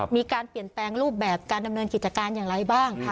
มีการเปลี่ยนแปลงรูปแบบการดำเนินกิจการอย่างไรบ้าง